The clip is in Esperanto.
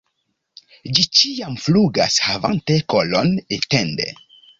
Ĝi ĉiam flugas havante kolon etende.